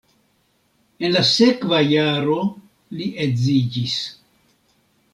En la sekva jaro li edziĝis.